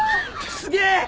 すげえ！